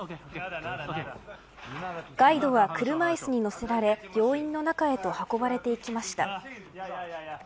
ガイドは車いすに乗せられ病院の中へと運ばれていきました。